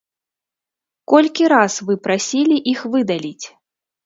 Колькі раз вы прасілі іх выдаліць?